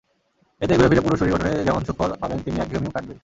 এতে ঘুরেফিরে পুরো শরীর গঠনে যেমন সুফল পাবেন তেমনি একঘেয়েমিও কাটবে।